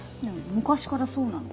昔からそうなの。